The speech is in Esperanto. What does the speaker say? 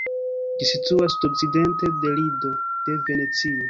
Ĝi situas okcidente de Lido de Venecio.